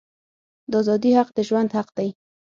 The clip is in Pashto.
د آزادی حق د ژوند حق دی.